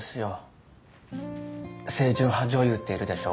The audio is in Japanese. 清純派女優っているでしょ？